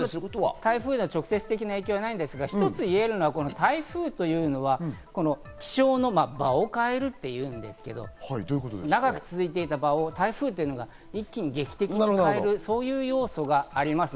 台風の直接的な影響はないんですが、一つ言えることは台風は気象の場を変えると言うんですけれども、長く続いていた場を台風というのが一気に劇的に変える、そういう要素があります。